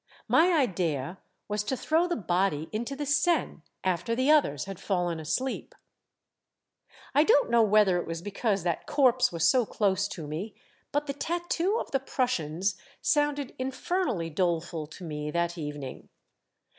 My idea was to throw the body into the Seine, after the others had fallen asleep. Belisaires Prussian, 85 " I don't know whether it was because that corpse was so close to me, but the tattoo of the Prussians sounded infernally doleful to me that evening.